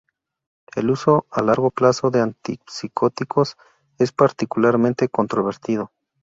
El uso a largo plazo de antipsicóticos es particularmente controvertido.